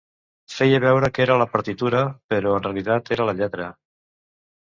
Feia veure que era la partitura, però en realitat era la lletra.